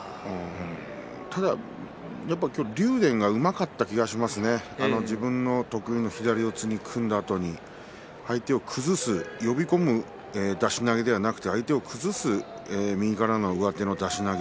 ただ、竜電もうまかった気がしますね自分の得意の左四つに組んだあと相手を崩す、呼び込む出し投げではなく相手を崩す右からの上手出し投げ